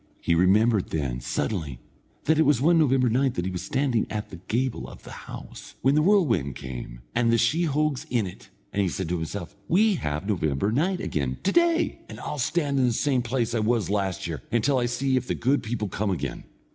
He remembered then, suddenly, that it was one November night that he was standing at the gable of the house, when the whirlwind came, and the sheehogues in it, and he said to himself: "We have November night again to day, and I'll stand in the same place I was last year, until I see if the good people come again.